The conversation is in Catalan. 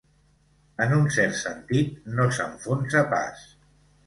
En un cert sentit, no s'enfonsa pas.